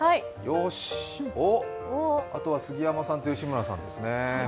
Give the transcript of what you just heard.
よし、おっ、あとは杉山さんと吉村さんですね。